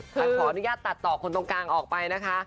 แต่ขออนุญาตตัดต่อคนตรงกลางออกไปนะคะ